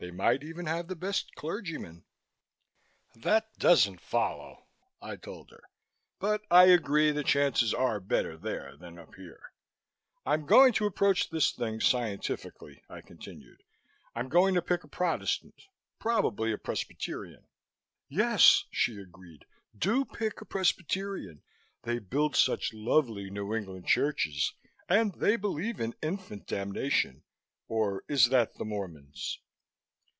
They might even have the best clergymen." "That doesn't follow," I told her, "but I agree the chances are better there than up here." "I'm going to approach this thing scientifically," I continued. "I'm going to pick a Protestant probably a Presbyterian " "Yes," she agreed. "Do pick a Presbyterian. They build such lovely New England churches and they believe in infant damnation, or is that the Mormons?"